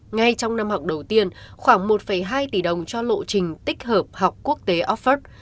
ngay trong năm học đầu tiên khoảng một hai tỷ đồng cho lộ trình tích hợp học quốc tế offord